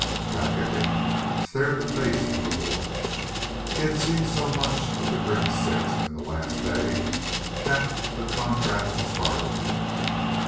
Back at him stared the face of a boy. He had seen so much of the grim six in the last day that the contrast startled him.